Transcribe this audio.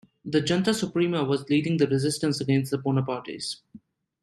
The "Junta Suprema" was leading the resistance against the Bonapartes.